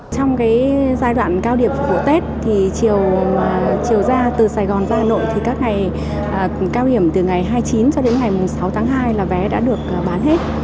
trong giai đoạn cao điểm của tết từ sài gòn ra hà nội các ngày cao điểm từ ngày hai mươi chín cho đến ngày sáu tháng hai là vé đã được bán hết